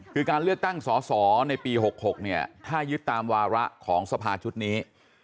คือการเลือกตั้งสอสอในปี๖๖เนี่ยถ้ายึดตามวาระของสภาชุดนี้